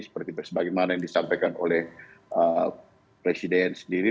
seperti sebagaimana yang disampaikan oleh presiden sendiri